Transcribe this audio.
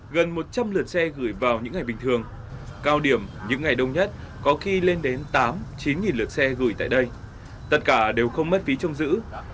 gần một trăm linh lượt xe gửi vào những ngày bình thường cao điểm những ngày đông nhất có khi lên đến tám chín lượt xe gửi tại đây tất cả đều không mất phí trong giữ